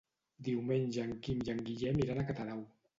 Diumenge en Quim i en Guillem iran a Catadau.